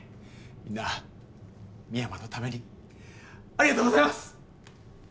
みんな深山のためにありがとうございます